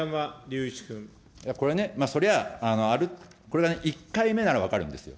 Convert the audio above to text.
これね、そりゃ、これが１回目なら分かるんですよ。